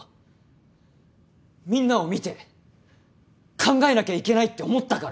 みんなを見て考えなきゃいけないって思ったから。